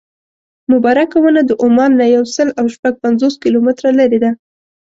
مبارکه ونه د عمان نه یو سل او شپږ پنځوس کیلومتره لرې ده.